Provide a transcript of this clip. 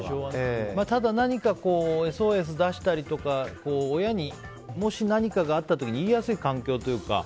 何かＳＯＳ出したりとかもし何かがあった時に親に言いやすい環境とか。